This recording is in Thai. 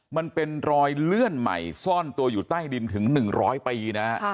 มันเป็นรอยเลื่อนใหม่ซ่อนตัวอยู่ใต้ดินถึง๑๐๐ปีนะฮะ